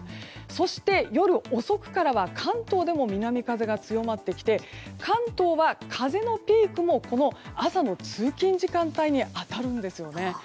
そして、夜遅くからは関東でも南風が強まってきて関東は風のピークも朝の通勤時間帯に当たるんですよね。